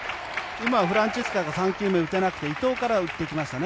今はフランツィスカが３球目打てなくて伊藤から打っていきましたね。